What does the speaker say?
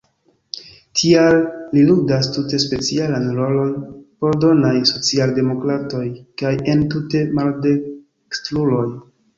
Tial li ludas tute specialan rolon por danaj socialdemokratoj kaj entute maldekstruloj.